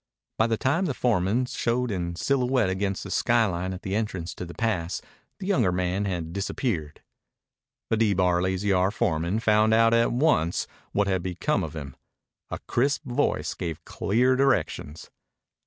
By the time the foreman showed in silhouette against the skyline at the entrance to the pass the younger man had disappeared. The D Bar Lazy R foreman found out at once what had become of him. A crisp voice gave clear directions.